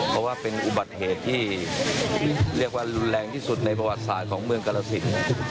เพราะว่าเป็นอุบัติเหตุที่เรียกว่ารุนแรงที่สุดในประวัติศาสตร์ของเมืองกรสิน